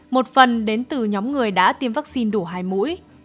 một phần đến từ nhóm người đã tiêm vaccine đủ hai mũi